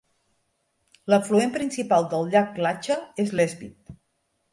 L'afluent principal del llac Lacha és l'Svid.